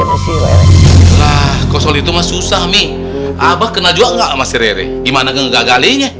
sama si rere lah kosong itu mah susah mi abah kenal juga gak sama si rere gimana kegagalinya